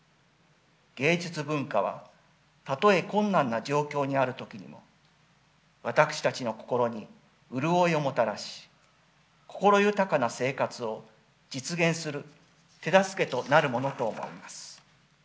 芸術文化はたとえ困難な状況にあるときにも私たちの心に潤いをもたらし心豊かな生活を実現する手助けとなるものと思います。